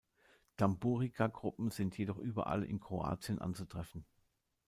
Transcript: Tamburica-Gruppen sind jedoch überall in Kroatien anzutreffen.